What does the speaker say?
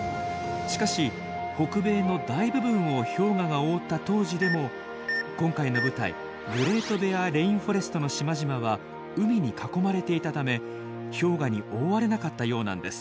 しかし北米の大部分を氷河が覆った当時でも今回の舞台グレートベアレインフォレストの島々は海に囲まれていたため氷河に覆われなかったようなんです。